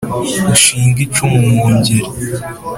Ushinge icumu mu Ngeri,